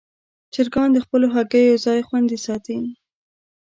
چرګان د خپلو هګیو ځای خوندي ساتي.